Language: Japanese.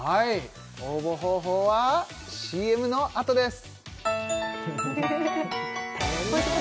応募方法はＣＭのあとです